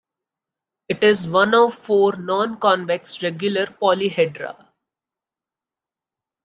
It is one of four nonconvex regular polyhedra.